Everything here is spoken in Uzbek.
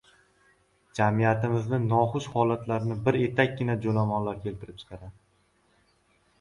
Jamiyatimizda noxush holatlarni bir etakkina joʻlomonlar keltirib chiqaradi.